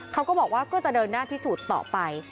เขาก็บอกว่าก็จะเดินหน้าพิสูจน์ต่อไป